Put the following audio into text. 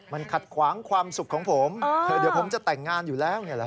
มันขัดขวางความสุขของผมเดี๋ยวผมจะแต่งงานอยู่แล้ว